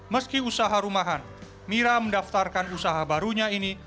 meski usaha rumahan mira mendaftarkan usaha barunya ini